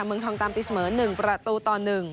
เมืองทองตามตีเสมอ๑ประตูต่อ๑